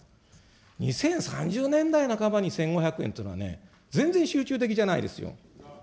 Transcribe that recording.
２０３０年代半ばに１５００円というのはね、全然集中的じゃないですよ。